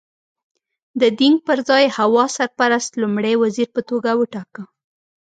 د دینګ پر ځای هوا سرپرست لومړی وزیر په توګه وټاکه.